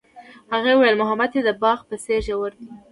هغې وویل محبت یې د باغ په څېر ژور دی.